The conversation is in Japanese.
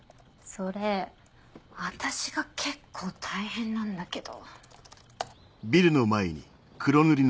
それ私が結構大変なんだけど。